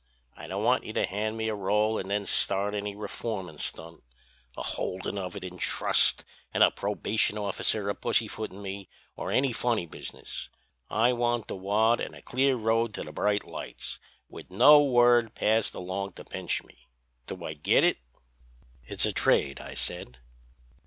I don't want you to hand me a roll an' then start any reformin' stunt—a holdin' of it in trust an' a probation officer a pussyfootin' me, or any funny business. I want the wad an' a clear road to the bright lights, with no word passed along to pinch me. Do I git it?' "'It's a trade!' I said.